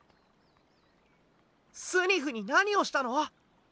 スニフに何をしたの？